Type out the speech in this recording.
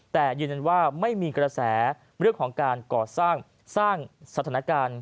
แต่ยืนยันว่าไม่มีกระแสเรื่องของการก่อสร้างสร้างสถานการณ์